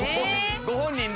ご本人。